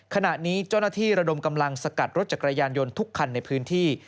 ขณะนี้เจ้าหน้าที่ระดมกำลังสกัดรถจักรยานยนต์ทุกคันในพื้นที่